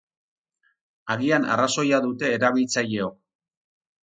Agian arrazoia dute erabiltzaileok.